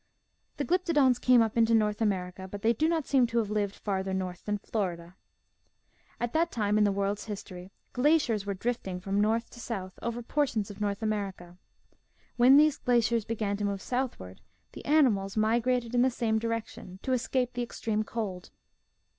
The Glyptodons came up into North America, but they do not seem to have lived farther north than Florida. 'At that time in the world's history glaciers were drifting from north to south over portions of North America. When these glaciers began to move southward, the animals migrated in 142 MIGHTY ANIMALS the same direction to escape the extreme cold.